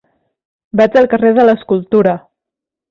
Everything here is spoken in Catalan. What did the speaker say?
Vaig al carrer de l'Escultura.